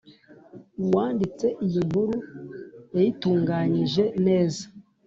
Uwanditse iyi nkuru yayitunganyije neza